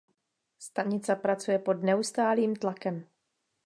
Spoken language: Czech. Stanica pracuje pod neustálym tlakem.